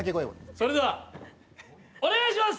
それではお願いします！